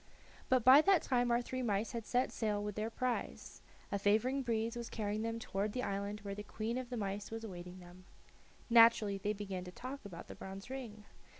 But by that time our three mice had set sail with their prize. A favoring breeze was carrying them toward the island where the queen of the mice was awaiting them. Naturally they began to talk about the bronze ring.